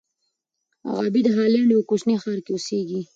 غابي د هالنډ یوه کوچني ښار کې اوسېږي.